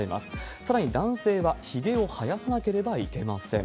さらに男性はひげを生やさなければいけません。